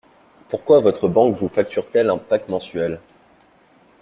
Pourquoi votre banque vous facture-t-elle un pack mensuel?